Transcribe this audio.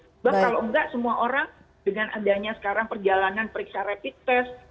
sebab kalau enggak semua orang dengan adanya sekarang perjalanan periksa rapid test